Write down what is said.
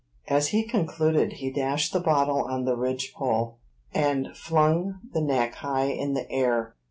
As he concluded, he dashed the bottle on the ridge pole, and flung the neck high in the air.